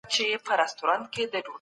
له مکر او دوکي څخه ليرې اوسئ.